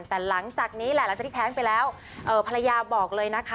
แต่หลังจากนี้แหละหลังจากที่แท้งไปแล้วภรรยาบอกเลยนะคะ